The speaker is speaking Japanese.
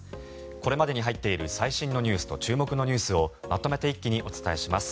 ここまでに入っている最新ニュースと注目ニュースをまとめて一気にお伝えします。